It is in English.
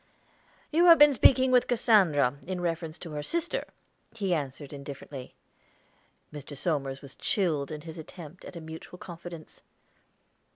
"You have been speaking with Cassandra, in reference to her sister," he answered indifferently. Mr. Somers was chilled in his attempt at a mutual confidence.